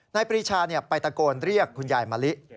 ปรีชาไปตะโกนเรียกคุณยายมะลิ